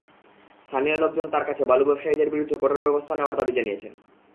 স্থানীয় লোকজন তাঁর কাছে বালু ব্যবসায়ীদের বিরুদ্ধে কঠোর ব্যবস্থা নেওয়ার দাবি জানিয়েছেন।